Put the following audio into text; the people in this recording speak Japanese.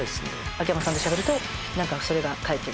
秋山さんとしゃべるとそれが解決する。